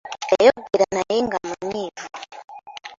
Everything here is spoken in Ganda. Yayogera naye nga munyiivu.